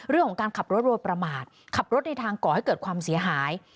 เรื่องของการขับรถโดยประมาทขับรถในทางก่อให้เกิดความเสียหาย